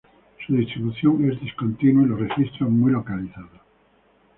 Su distribución es discontinua y los registros muy localizados.